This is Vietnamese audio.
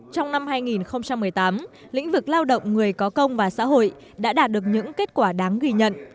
trong năm hai nghìn một mươi tám lĩnh vực lao động người có công và xã hội đã đạt được những kết quả đáng ghi nhận